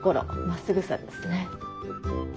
真っすぐさですね。